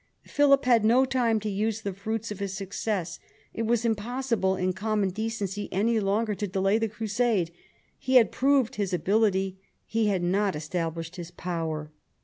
Philip had no time to use the fruits of his success. It was impossible in common decency any longer to delay the crusade. He had proved his ability. He had not established his power.